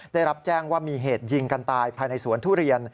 ได้รับแจ้งว่ามีเหตุยิงกันตายภายในสวนทุเรียน